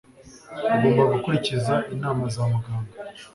Ugomba gukurikiza inama za muganga.